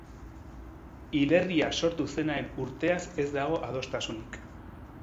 Hilerria sortu zenaren urteaz ez dago adostasunik.